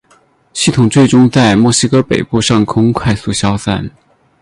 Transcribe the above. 系统最终在墨西哥北部上空快速消散。